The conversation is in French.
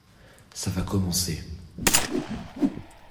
Ça va commencer.